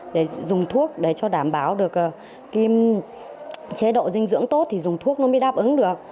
để dùng thuốc để cho đảm bảo được chế độ dinh dưỡng tốt thì dùng thuốc nó mới đáp ứng được